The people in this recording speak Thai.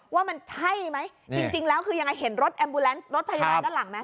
ว่ามันใช่ไหมจริงแล้วคือยังไงเห็นรถแอมบูแลนซ์รถพยาบาลด้านหลังไหม